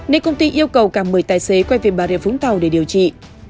nên công ty yêu cầu cả một mươi tài xế quay về bà rịa vũng tàu để điều trị